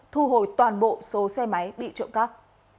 thu hồi toàn bộ số xe máy bị trộm cắp